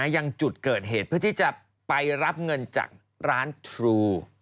ยังจุดเกิดเหตุเพื่อที่จะไปรับเงินจากร้านทรู